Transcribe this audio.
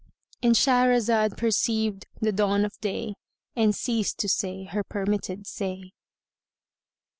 ——And Shahrazad perceived the dawn of day and ceased to say her permitted say.